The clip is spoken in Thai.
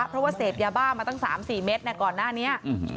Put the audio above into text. เพราะว่าเสพยาบ้ามาตั้ง๓๔เม็ดก่อนหน้านี้